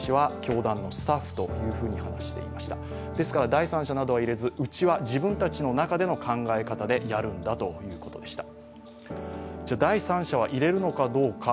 第三者などは入れず、うちは自分たちの中での考え方でやるんだということでした。